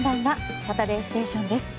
「サタデーステーション」です。